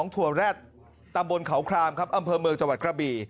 ตามบนเขาครามครับอำเภอเมืองจังหวัดกระบี่